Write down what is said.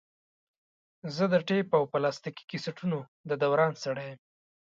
زه د ټیپ او پلاستیکي کسټونو د دوران سړی یم.